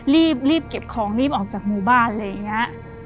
รีบเก็บของรีบออกจากหมู่บ้านอะไรอย่างนี้